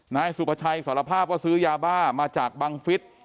นายสุภาชัยสารภาพว่าซื้อยาบ้ามาจากบังฟิศ